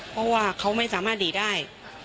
เพราะว่าเขาไม่สามารถดีได้